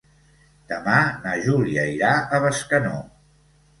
Demà na Júlia irà a Bescanó.